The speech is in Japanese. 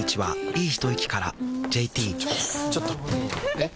えっ⁉